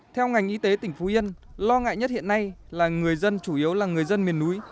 theo ngành y tế tỉnh phú yên lo ngại nhất hiện nay là người dân chủ yếu là người dân miền núi